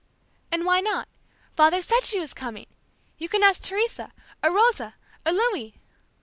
"And why not? Father said she was coming! You can ask Teresa, or Rosa, or Louis!"